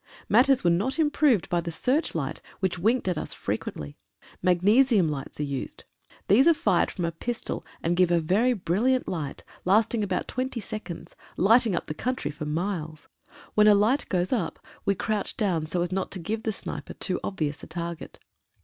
Matters were not improved by the search light, which winked at us frequently. Magnesium lights are used. These are fired from a pistol, and give a very 24 A WARM EXPERIENCE. brilliant light, lasting about twenty seconds, lighting up the country for miles. When a light goes up we crouch down so as not to give the sniper too obvious a target.